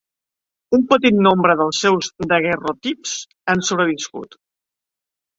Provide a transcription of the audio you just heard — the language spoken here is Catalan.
Un petit nombre dels seus daguerreotips han sobreviscut.